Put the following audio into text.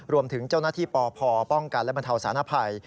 รวมถึงเจ้าหน้าที่ปพป้องกันและบรรเทาสารภัย